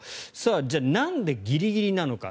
じゃあ、なんでギリギリなのか。